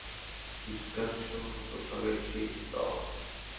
বিজ্ঞানসম্মতভাবে ঠিক, দাও।